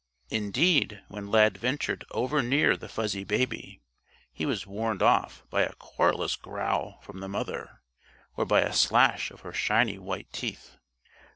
Indeed when Lad ventured overnear the fuzzy baby, he was warned off by a querulous growl from the mother or by a slash of her shiny white teeth.